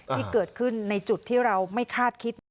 ที่เกิดขึ้นในจุดที่เราไม่คาดคิด